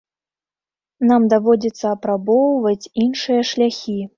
Нам даводзіцца апрабоўваць іншыя шляхі.